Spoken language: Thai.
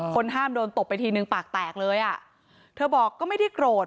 ห้ามโดนตบไปทีนึงปากแตกเลยอ่ะเธอบอกก็ไม่ได้โกรธ